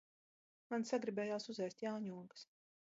Man sagribējās uzēst jāņogas.